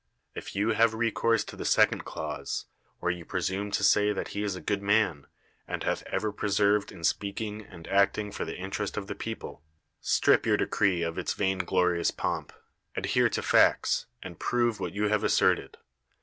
If you have recourse to the second clause, where you presume to say that he is a good man, and hath ever persevered in speaking and acting for the interest of the people, strip your decree of its vainglorious pomp ; adhere to facts ; and prove what you have asserted.